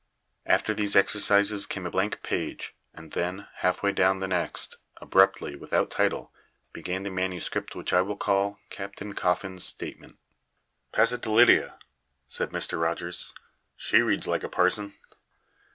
After these exercises came a blank page, and then, halfway down the next, abruptly, without title, began the manuscript which I will call Captain Coffin's statement. "Pass it to Lydia," said Mr. Rogers. "She reads like a parson."